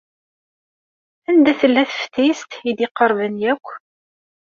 Anda tella teftist ay d-iqerben akk?